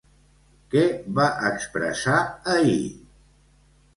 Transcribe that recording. Què va expressar ahir?